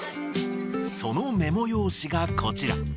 そのメモ用紙がこちら。